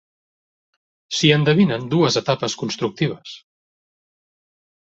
S'hi endevinen dues etapes constructives.